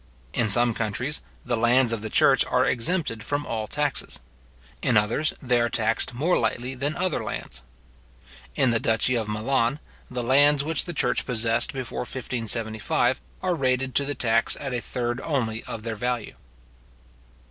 In some countries, the lands of the church are exempted from all taxes. In others, they are taxed more lightly than other lands. In the duchy of Milan, the lands which the church possessed before 1575, are rated to the tax at a third only or their value.